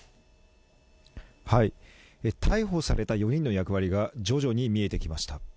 逮捕された４人の役割が徐々に見えてきました。